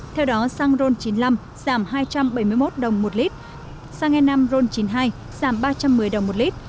theo đó xăng ron chín mươi năm giảm hai trăm bảy mươi một đồng một lít xăng e năm ron chín mươi hai giảm ba trăm một mươi đồng một lít